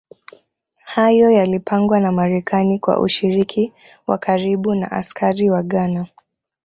Hayo yalipangwa na Marekani kwa ushiriki wa karibu na askari wa Ghana